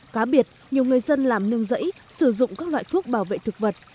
cá biệt nhiều người dân làm nương rẫy sử dụng các loại thuốc bảo vệ thực vật